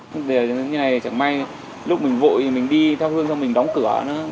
như thế này chẳng may lúc mình vội mình đi theo hương xong mình đóng cửa nó